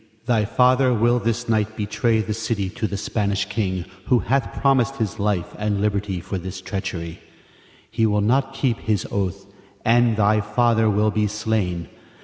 Lady, Thy father will this night betray the city to the Spanish king, who hath promised his life and liberty for this treachery. He will not keep his oath, and thy father will be slain.